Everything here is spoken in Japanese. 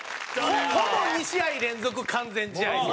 ほぼ２試合連続完全試合みたいな。